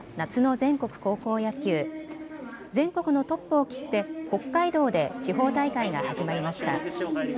全国のトップを切って北海道で地方大会が始まりました。